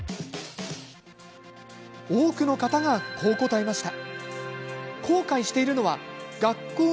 多くの方が、こう答えました。